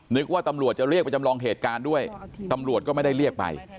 ว่าตำรวจจะเรียกไปจำลองเหตุการณ์ด้วยตำรวจก็ไม่ได้เรียกไป